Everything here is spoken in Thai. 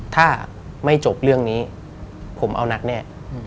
ถ้าไม่จบเรื่องนี้ผมเอานักแน่